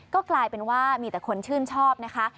ก็กลายเป็นว่ามีแต่คนชื่นชอบนะคะ